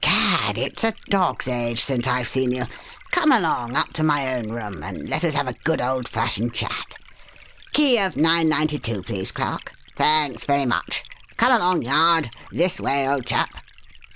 Gad! it's a dog's age since I've seen you. Come along up to my own room and let us have a good old fashioned chat. Key of Nine ninety two, please, clerk. Thanks very much. Come along, Yard this way, old chap!"